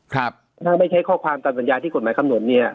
ถ้าไม่ใช้ข้อความตามสัญญาที่กฎหมายกำหนดเนี่ย